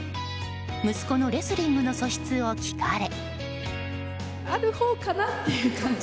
息子のレスリングの素質を聞かれ。